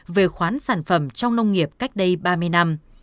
về khoán sản phẩm trong nông nghiệp cách đây ba mươi năm